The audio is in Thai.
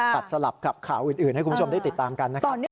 สลับกับข่าวอื่นให้คุณผู้ชมได้ติดตามกันนะครับ